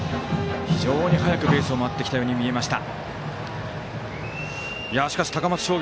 非常に速くベースに入ってきたように見えました。